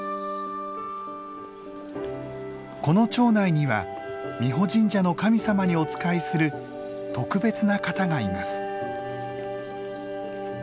この町内には美保神社の神様にお仕えする特別な方がいます。